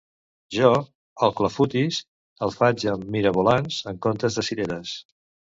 Jo, el clafoutis, el faig amb mirabolans en comptes de cireres